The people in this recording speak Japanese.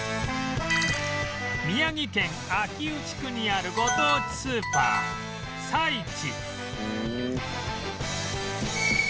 宮城県秋保地区にあるご当地スーパーさいち